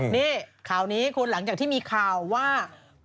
นี่ข่าวนี้คุณหลังจากที่มีข่าวว่า